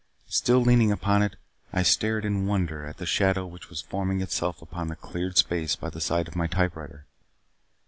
Still leaning upon it I stared in wonder at the shadow which was forming itself upon the cleared space by the side of my typewriter.